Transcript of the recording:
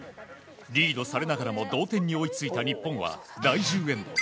リードされながらも同点に追いついた日本は第１０エンド。